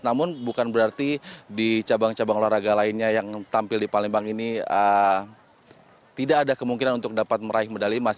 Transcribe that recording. namun bukan berarti di cabang cabang olahraga lainnya yang tampil di palembang ini tidak ada kemungkinan untuk dapat meraih medali emas